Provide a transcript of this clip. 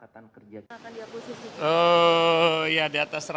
dengan jumlah angkatan kerja